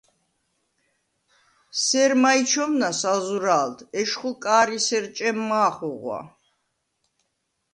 სერ მაჲ ჩომნას ალ ზურა̄ლდ: ეშხუ კა̄რისერ ჭემ მა̄ ხუღვა.